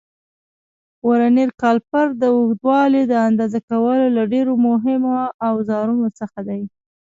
ورنیر کالیپر د اوږدوالي د اندازه کولو له ډېرو مهمو اوزارونو څخه دی.